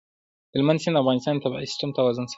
هلمند سیند د افغانستان د طبعي سیسټم توازن ساتي.